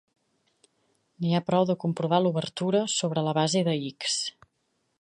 N'hi ha prou de comprovar l'obertura sobre la base de "X".